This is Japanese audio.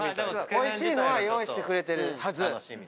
おいしいのは用意してくれてるはず。